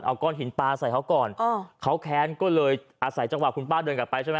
เอาก้อนหินปลาใส่เขาก่อนอ๋อเขาแค้นก็เลยอาศัยจังหวะคุณป้าเดินกลับไปใช่ไหม